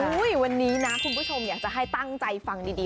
หูยทุกคุณผู้ชมอยากจะให้ตั้งใจฟังดี